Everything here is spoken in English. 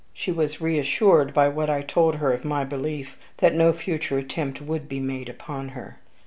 She was reassured by what I told her of my belief that no future attempt would be made upon her.